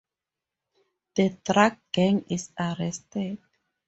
The drug gang is arrested.